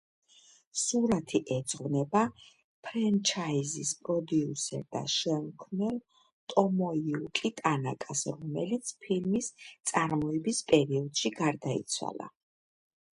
სურათი ეძღვნება ფრენჩაიზის პროდიუსერ და შემქმნელ ტომოიუკი ტანაკას, რომელიც ფილმის წარმოების პერიოდში გარდაიცვალა.